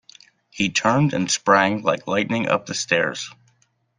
He turned and sprang like lightning up the stairs.